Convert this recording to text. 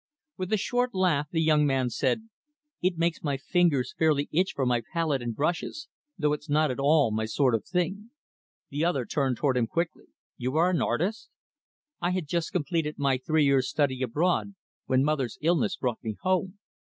With a short laugh, the young man said, "It makes my fingers fairly itch for my palette and brushes though it's not at all my sort of thing." The other turned toward him quickly. "You are an artist?" "I had just completed my three years study abroad when mother's illness brought me home.